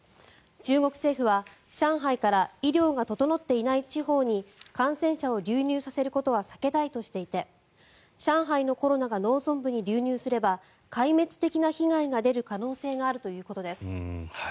中国政府は、上海から医療が整っていない地方に感染者を流入させることは避けたいとしていて上海のコロナが農村部に流入すれば壊滅的な被害が出る可能性があるということです。